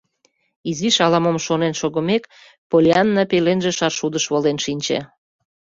Изиш ала-мом шонен шогымек, Поллианна пеленже шаршудыш волен шинче.